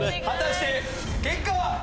果たして結果は？